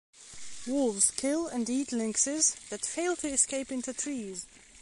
Wolves kill and eat lynxes that fail to escape into trees.